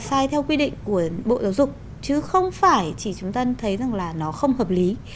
sai theo quy định của bộ giáo dục chứ không phải chỉ chúng ta thấy rằng là nó không hợp lý